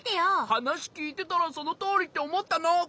はなしきいてたらそのとおりっておもったの！